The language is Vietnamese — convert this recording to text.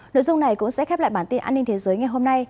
nội dung này cũng sẽ khép lại bản tin an ninh thế giới ngày hôm nay